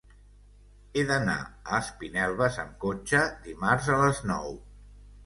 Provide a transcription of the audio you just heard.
He d'anar a Espinelves amb cotxe dimarts a les nou.